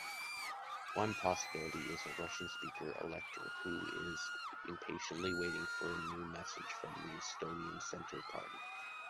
One possibility is a Russian-speaking elector, who is impatiently waiting for a new message from The Estonian Center Party.